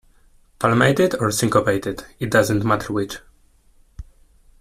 Palmated or syncopated, it doesn't matter which.